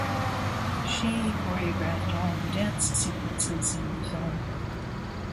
She choreographed all the dance sequences in the film.